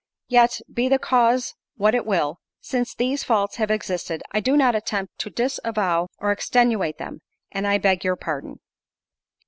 Yet, be the cause what it will, since these faults have existed, I do not attempt to disavow or extenuate them, and I beg your pardon.